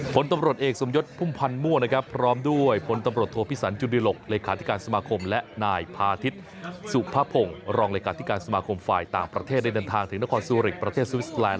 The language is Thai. ผลตำรวจเอกสมยศพุ่มพันธ์มั่วนะครับพร้อมด้วยพลตำรวจโทพิสันจุดิหลกเลขาธิการสมาคมและนายพาทิศสุภพงศ์รองเลขาธิการสมาคมฝ่ายต่างประเทศได้เดินทางถึงนครซูริกประเทศสวิสแลนด